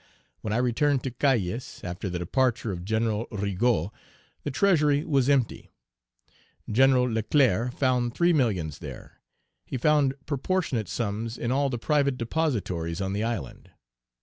When I returned to Cayes, after the departure of Gen. Rigaud, the treasury was empty; Gen. Leclerc found three millions there; he found proportionate sums in all the private depositories on the island.